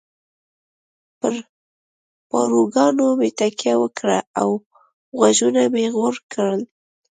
پر پاروګانو مې تکیه وکړه او غوږونه مې غوړ کړل.